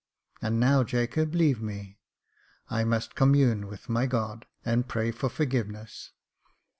And now, Jacob, leave me ; I must commune with my God, and pray for forgiveness.